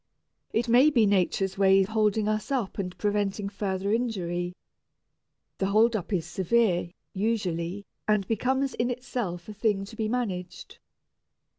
It may be nature's way of holding us up and preventing further injury. The hold up is severe, usually, and becomes in itself a thing to be managed.